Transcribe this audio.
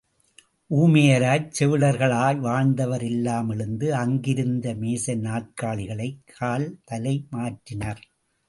ஊமை யராய்ச் செவிடர்களாக வாழ்ந்தவர் எல்லாம் எழுந்து அங்கிருந்த மேசை நாற்காலிகளைக் கால் தலை மாற்றினர்.